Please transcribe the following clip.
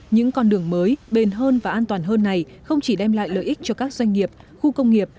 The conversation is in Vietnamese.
những con đường mới bền hơn và an toàn hơn này không chỉ đem lại lợi ích cho các doanh nghiệp khu công nghiệp